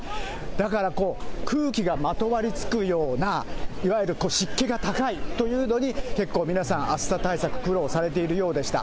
だからこう、空気がまとわりつくような、いわゆる湿気が高いというのに、結構、皆さん暑さ対策苦労されているようでした。